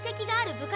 部活。